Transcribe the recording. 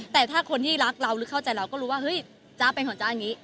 แต่ถ้าคนที่รักเราหรือเข้าใจเราก็รู้ว่าเฮ้ยจ๊ะเป็นของจ๊ะอย่างนี้